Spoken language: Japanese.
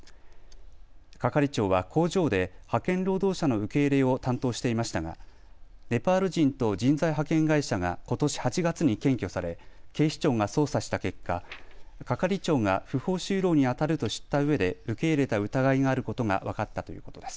係長は工場で派遣労働者の受け入れを担当していましたがネパール人と人材派遣会社がことし８月に検挙され、警視庁が捜査した結果、係長が不法就労にあたると知ったうえで受け入れた疑いがあることが分かったということです。